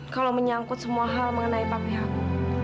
kalau menyangkut semua hal mengenai papihamu